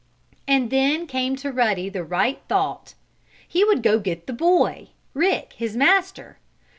And then came to Ruddy the right thought. He would go get the Boy Rick, his master.